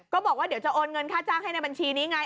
ก็บอกว่าเดี๋ยวจะโอนเงินค่าจ้างให้ในบัญชีนี้ไง